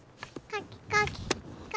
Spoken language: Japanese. かきかき。